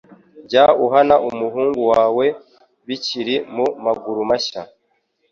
Jya uhana umuhungu wawe bikiri mu maguru mashya